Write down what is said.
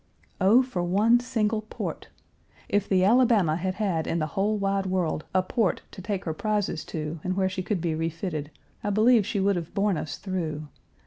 Oh, for one single port! If the Alabama had had in the whole wide world a port to take her prizes to and where she could be refitted, I believe she would have borne us through.